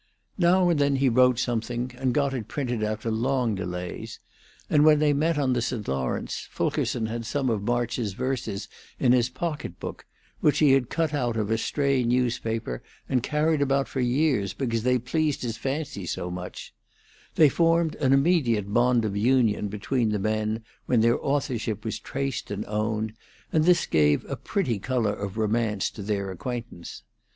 Now and then he wrote something, and got it printed after long delays, and when they met on the St. Lawrence Fulkerson had some of March's verses in his pocket book, which he had cut out of a stray newspaper and carried about for years, because they pleased his fancy so much; they formed an immediate bond of union between the men when their authorship was traced and owned, and this gave a pretty color of romance to their acquaintance.